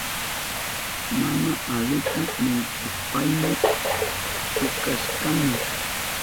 Mana alita millpushpayni chukashkani.